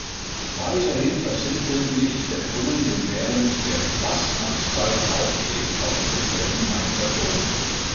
Weiterhin versinnbildlicht der Brunnen den während der Fastnachtszeit „auf den Kopf gestellten“ Mainzer Dom.